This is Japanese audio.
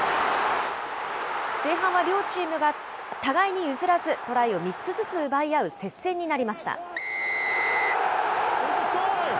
前半は両チームが互いに譲らず、トライを３つずつ奪い合う接戦になりました。